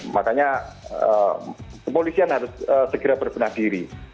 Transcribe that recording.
makanya polisian harus segera berpenuh diri